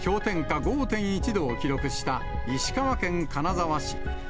５．１度を記録した石川県金沢市。